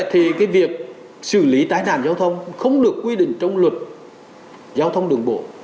thì cái việc xử lý tai nạn giao thông không được quy định trong luật giao thông đường bộ